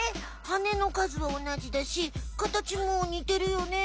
はねのかずは同じだしかたちも似てるよね。